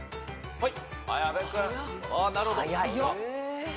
はい。